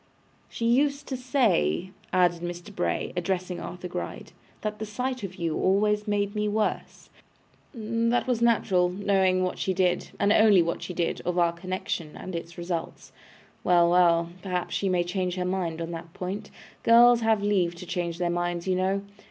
She used to say,' added Mr. Bray, addressing Arthur Gride, 'that the sight of you always made me worse. That was natural, knowing what she did, and only what she did, of our connection and its results. Well, well. Perhaps she may change her mind on that point; girls have leave to change their minds, you know.